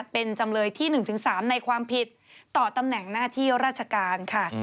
เป็นจำเลยที่๑๓ในความผิดต่อตำแหน่งหน้าที่ราชการค่ะ